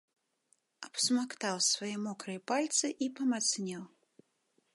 Абсмактаў свае мокрыя пальцы і памацнеў.